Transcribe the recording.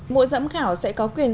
mỗi giám khảo sẽ có quyền